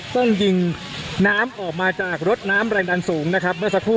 ทางกลุ่มมวลชนทะลุฟ้าทางกลุ่มมวลชนทะลุฟ้า